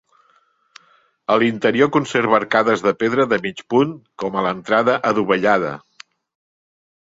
A l'interior conserva arcades de pedra de mig punt com a l'entrada adovellada.